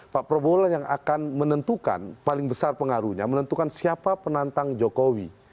pak prabowo lah yang akan menentukan paling besar pengaruhnya menentukan siapa penantang jokowi